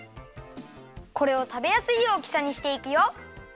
これをたべやすい大きさにしていくよ。